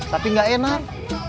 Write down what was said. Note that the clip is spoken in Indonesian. tapi gak enak